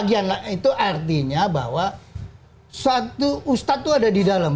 itu artinya bahwa ustaz itu ada di dalam